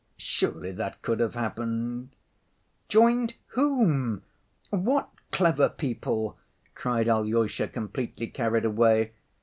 Surely that could have happened?" "Joined whom, what clever people?" cried Alyosha, completely carried away.